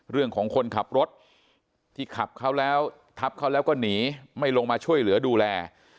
เรื่องของคนขับรถที่ขับเขาแล้วทับเขาแล้วก็หนีไม่ลงมาช่วยเหลือดูแล